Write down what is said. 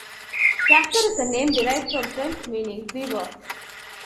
Castor is a name derived from French meaning "beaver".